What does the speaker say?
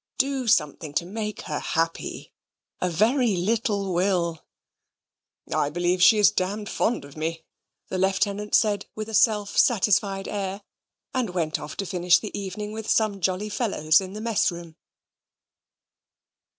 Do something to make her happy; a very little will." "I believe she's d d fond of me," the Lieutenant said, with a self satisfied air; and went off to finish the evening with some jolly fellows in the mess room.